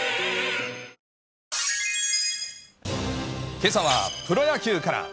けさは、プロ野球から。